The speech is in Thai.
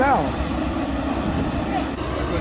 หรือว่าเกิดอะไรขึ้น